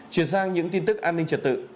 chuyển sang những tin tức an ninh trật tự